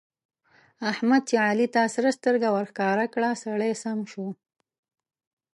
احمد چې علي ته سره سترګه ورښکاره کړه؛ سړی سم شو.